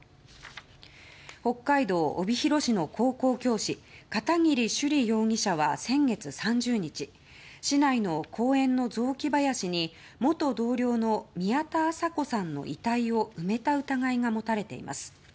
北海道帯広市の高校教師片桐朱璃容疑者は先月３０日市内の公園の雑木林に元同僚の宮田麻子さんの遺体を埋めた疑いが持たれています。